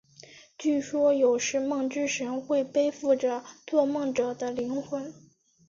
据说有时梦之神会背负着做梦者的灵魂。